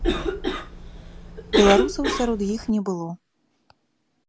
Беларусаў сярод іх не было.